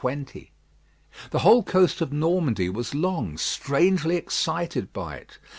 The whole coast of Normandy was long strangely excited by it.